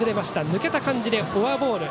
抜けた感じでフォアボール。